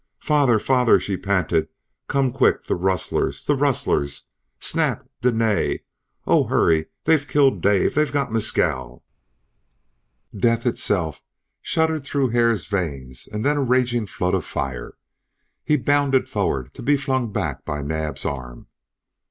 "Father! Father!" she panted. "Come quick the rustlers! the rustlers! Snap! Dene Oh hurry! They've killed Dave they've got Mescal!" Death itself shuddered through Hare's veins and then a raging flood of fire. He bounded forward to be flung back by Naab's arm.